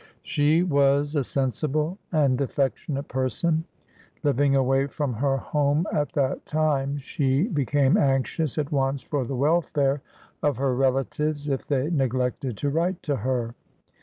She was a sensible and affectionate person. Living away from her home at that time, she became anxious at once for the welfare of her relatives if they neglected to write to her.